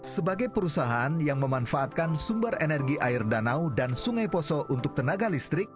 sebagai perusahaan yang memanfaatkan sumber energi air danau dan sungai poso untuk tenaga listrik